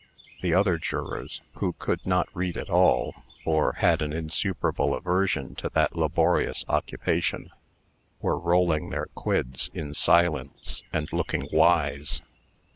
The other jurors, who could not read at all, or had an insuperable aversion to that laborious occupation, were rolling their quids in silence, and looking wise.